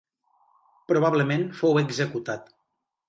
Probablement fou executat.